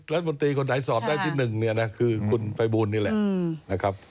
รัฐมนตรีคนไหนสอบได้ที่๑คือคุณภัยบูรณ์นี่แหละ